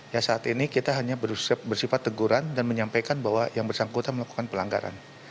ya saat ini kita hanya bersifat teguran dan menyampaikan bahwa yang bersangkutan melakukan pelanggaran